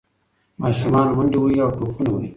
ماشومان منډې وهي او ټوپونه وهي.